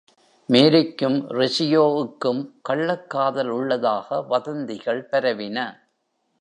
மேரிக்கும் Rizzioக்கும் கள்ளக்காதல் உள்ளதாக வதந்திகள் பரவின.